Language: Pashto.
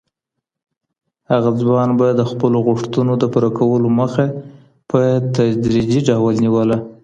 هغه ځوان به د خپلو غوښتنو د پوره کولو مخه په تدریجي ډول نیوله.